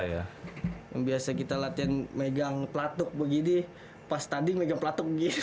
yang biasa kita latihan megang pelatuk begini pas tanding megang pelatuk gitu